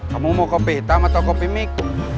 kamu mau kopi hitam atau kopi miku